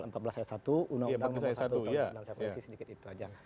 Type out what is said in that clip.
pasal empat belas r satu undang undang nomor satu dan saya koreksi sedikit itu saja